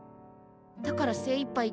だから精いっぱい